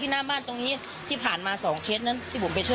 เธอก็เชื่อว่ามันคงเป็นเรื่องความเชื่อที่บรรดองนำเครื่องเส้นวาดผู้ผีปีศาจเป็นประจำ